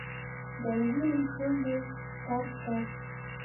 د انګورو شونډې ترک، ترک